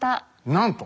なんと！